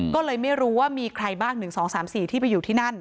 ก็เลยไม่รู้ว่ามีใครบ้าง๑๒๓๔ที่ไปอยู่ที่นั่น